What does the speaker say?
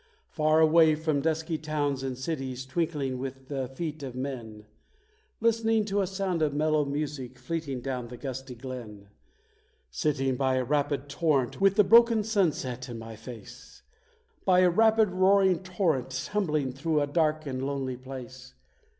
Far away from dusky towns and cities twinkling with the feet of men; Listening to a sound of mellow music fleeting down the gusty glen; Sitting by a rapid torrent, with the broken sunset in my face; By a rapid, roaring torrent, tumbling through a dark and lonely place!